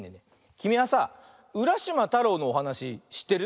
きみはさ「うらしまたろう」のおはなししってる？